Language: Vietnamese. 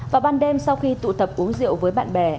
vào ban đêm sau khi tụ tập uống rượu với bạn bè